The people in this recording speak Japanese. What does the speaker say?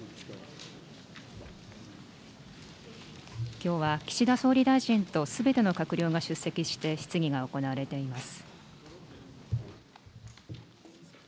きょうは岸田総理大臣とすべての閣僚が出席して質疑が行われています。